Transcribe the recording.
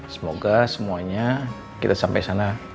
semoga semuanya kita sampai sana